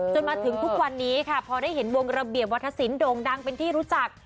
จนถึงทุกวันนี้ค่ะพอได้เห็นวงระเบียบวัฒนศิลปโด่งดังเป็นที่รู้จัก